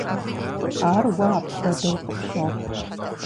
Ар уэ апхуэдэу къыпщохъу.